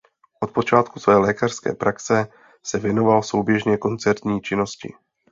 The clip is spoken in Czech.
Od počátků své lékařské praxe se věnoval souběžně koncertní činnosti.